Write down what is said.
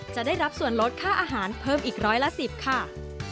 จะได้รับส่วนลดค่าอาหารเพิ่มอีกร้อยละ๑๐ค่ะ